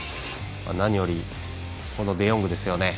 何より、デヨングですよね。